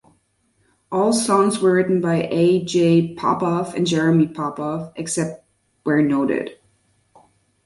All songs were written by A. Jay Popoff and Jeremy Popoff, except where noted.